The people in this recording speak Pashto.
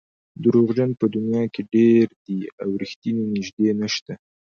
دروغجن په دنیا کې ډېر دي او رښتیني نژدې نشته.